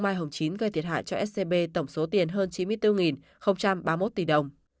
mai hồng chín gây thiệt hại cho scb tổng số tiền hơn chín mươi bốn ba mươi một tỷ đồng